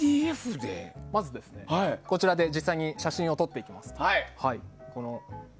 まず、こちらで実際に写真を撮っていきます。